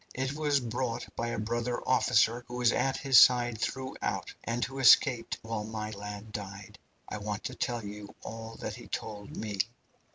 It was brought by a brother officer who was at his side throughout, and who escaped while my lad died. I want to tell you all that he told me.